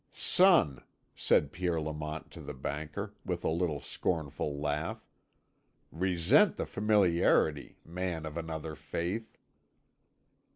"Son!" said Pierre Lamont to the banker, with a little scornful laugh. "Resent the familiarity, man of another faith."